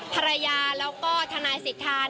ภรรยาแล้วก็ทนายสิทธา